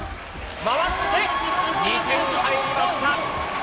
回って、２点入りました。